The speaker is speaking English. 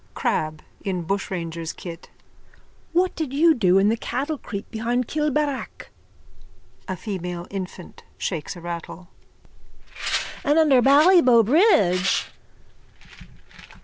CRAB: (In bushranger's kit.) What did you do in the cattlecreep behind Kilbarrack? A FEMALE INFANT: (Shakes a rattle.) And under Ballybough bridge?